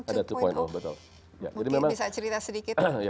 mungkin bisa cerita sedikit